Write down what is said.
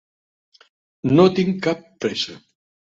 No tinc cap pressa.